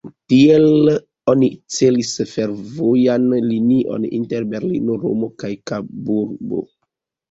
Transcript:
Tiel oni celis fervojan linion inter Berlino, Romo kaj Kaburbo.